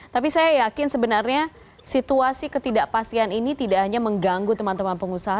tapi saya yakin sebenarnya situasi ketidakpastian ini tidak hanya mengganggu teman teman pengusaha